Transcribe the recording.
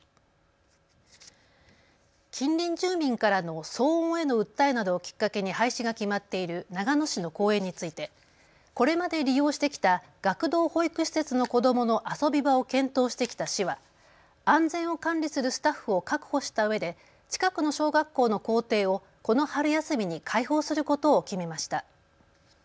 近隣住民からの騒音への訴えなどをきっかけに廃止が決まっている長野市の公園についてこれまで利用してきた学童保育施設の子どもの遊び場を検討してきた市は安全を管理するスタッフを確保したうえで近くの小学校の校庭をこの春休みに開放することを決めました。